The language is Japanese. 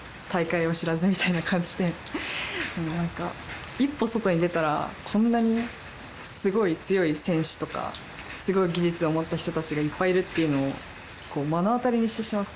もうなんか一歩外に出たらこんなにすごい強い選手とかすごい技術を持った人たちがいっぱいいるっていうのを目の当たりにしてしまって。